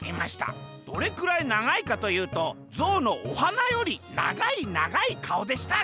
どれくらいながいかというとぞうのおはなよりながいながいかおでした」。